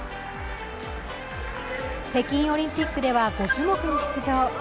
北京オリンピックでは５種目に出場。